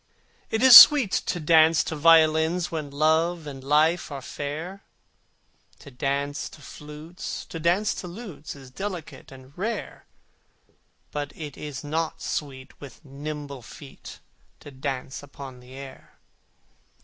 It is sweet to dance to violins When Love and Life are fair: To dance to flutes, to dance to lutes Is delicate and rare: But it is not sweet with nimble feet To dance upon the air!